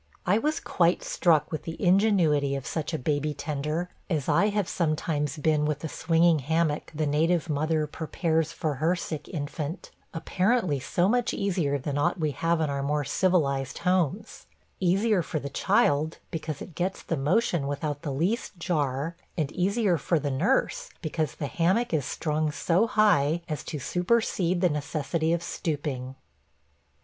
I was quite struck with the ingenuity of such a baby tender, as I have sometimes been with the swinging hammock the native mother prepares for her sick infant apparently so much easier than aught we have in our more civilized homes; easier for the child, because it gets the motion without the least jar; and easier for the nurse, because the hammock is strung so high as to supersede the necessity of stooping.